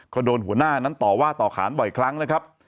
ก็โดนหัวหน้านั้นต่อว่าต่อขานบ่อยครั้งนะครับ